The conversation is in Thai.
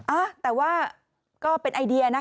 อ่ะแต่ว่าก็เป็นไอเดียนะคะ